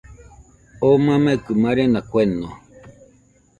Oo mamekɨ marena kueno